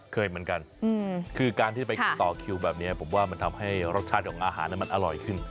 เคยเหมือนกันคือการที่ไปต่อคิวแบบนี้ผมว่ามันทำให้รสชาติของอาหารมันอร่อยขึ้น